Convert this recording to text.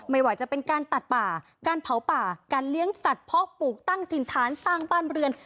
ไม่ว่าจะเป็นการตัดป่าการเผาป่าการเลี้ยงสัตว์เพาะปลูกตั้งถิ่นฐานสร้างบ้านเรือน